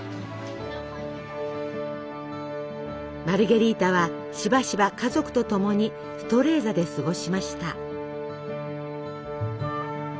マルゲリータはしばしば家族とともにストレーザで過ごしました。